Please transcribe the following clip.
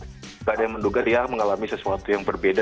tidak ada yang menduga dia mengalami sesuatu yang berbeda